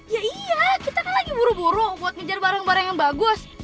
ya iya kita kan lagi buru buru buat ngejar barang barang yang bagus